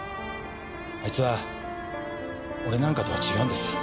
あいつは俺なんかとは違うんです。